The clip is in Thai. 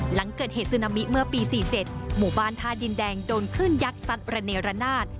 หลังเกิดเหตุซึนามิเมื่อปี๔๗หมู่บ้านท่าดินแดงโดนคลื่นยักษัดระเนรนาศ